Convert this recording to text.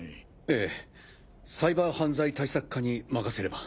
ええサイバー犯罪対策課に任せれば。